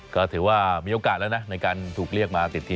ก็ถือว่ามีโอกาสแล้วนะในการถูกเรียกมาติดทีม